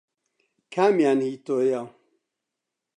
کامیان هی تۆیە؟